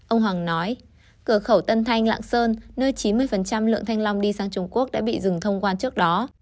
ông hoàng nói cửa khẩu tân thanh lạng sơn nơi chín mươi lượng thanh long đi sang trung quốc đã bị dừng thông quan trước đó